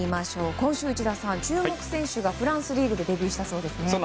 今週、内田さん注目選手がフランスリーグでデビューしたそうですね。